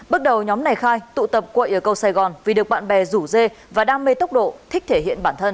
bước đầu nhóm này khai tụ tập quậy ở cầu sài gòn vì được bạn bè rủ dê và đam mê tốc độ thích thể hiện bản thân